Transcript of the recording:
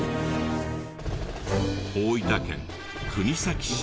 大分県国東市。